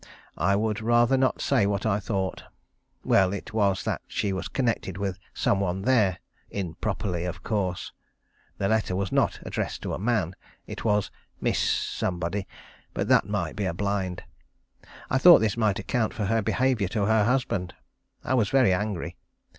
I would rather not say what I thought. Well, it was that she was connected with some one there. Improperly, of course. The letter was not addressed to a man. It was "Miss Somebody," but that might be a blind. I thought this might account for her behaviour to her husband. I was very angry.